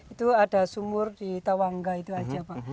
itu ada sumur di tawangga itu aja pak